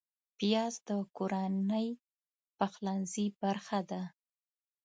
پیاز د کورنۍ پخلنځي برخه ده